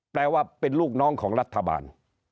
แปลว่าเป็นลูกน้องของรัฐบาล